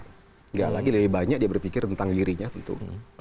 nggak lagi lebih banyak dia berpikir tentang dirinya gitu